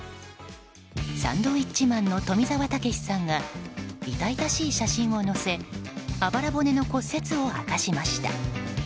サンドウィッチマンの富澤たけしさんが痛々しい写真を載せあばら骨の骨折を明かしました。